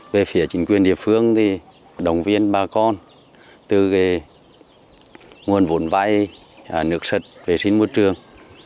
về phía chính quyền địa phương thì động viên bà con từ nguồn vốn vay nước sật vệ sinh môi trường